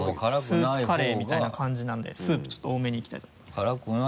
スープカレーみたいな感じなのでスープちょっと多めにいきたいと思いますいただきます。